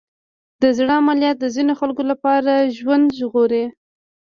د زړه عملیات د ځینو خلکو لپاره ژوند ژغوري.